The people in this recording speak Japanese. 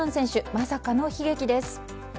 まさかの悲劇です。